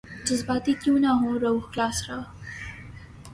جذباتی کیوں نہ ہوں رؤف کلاسرا